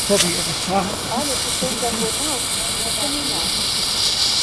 — Але кученжак онал, кучынена.